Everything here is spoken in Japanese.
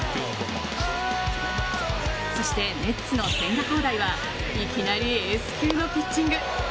そして、メッツの千賀滉大はいきなりエース級のピッチング。